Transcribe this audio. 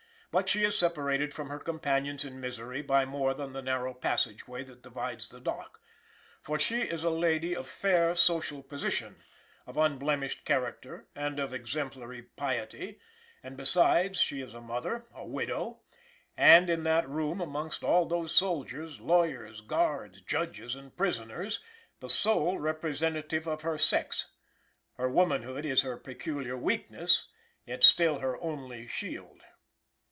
But she is separated from her companions in misery by more than the narrow passage way that divides the dock; for she is a lady of fair social position, of unblemished character and of exemplary piety, and, besides, she is a mother, a widow, and, in that room amongst all those soldiers, lawyers, guards, judges and prisoners, the sole representative of her sex. Her womanhood is her peculiar weakness, yet still her only shield.